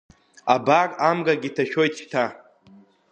Абар амрагьы ҭашәоит шьҭа…